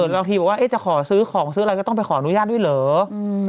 บางทีบอกว่าจะขอซื้อของซื้ออะไรก็ต้องไปขออนุญาตด้วยเหรอ